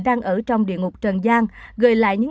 đang ở trong địa ngục trần giang